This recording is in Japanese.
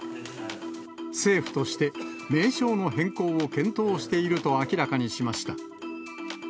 政府として名称の変更を検討していると明らかにしました。